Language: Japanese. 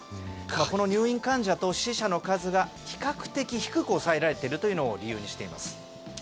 この入院患者と死者の数が比較的、低く抑えられているというのを理由にしています。